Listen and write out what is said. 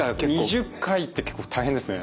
２０回って結構大変ですね。